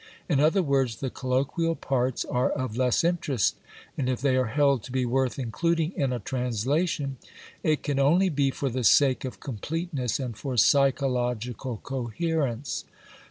In other words, the colloquial parts are of less interest, and if they are held to be worth including in a translation, it can only be for the sake of completeness and for psychological coherence.